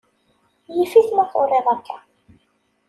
Yif-it ma turiḍ akka.